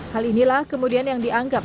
hal inilah kemudian yang dianggap